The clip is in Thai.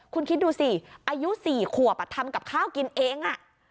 คุณคิดดูสิอายุ๔ขวบทำกับข้าวกินเอง